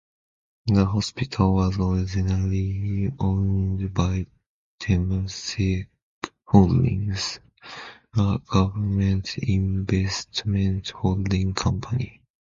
The hospital was originally owned by Temasek Holdings, a government investment holding company.